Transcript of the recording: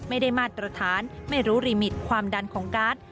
ไม่ได้มาตรฐานไม่รู้ลิมิตความดันของการ์ด